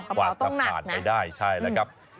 กระเป๋าต้องหนักนะ